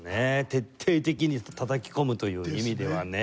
徹底的に叩き込むという意味ではね。